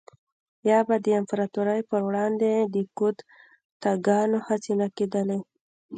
یا به د امپراتورۍ پروړاندې د کودتاګانو هڅې نه کېدلې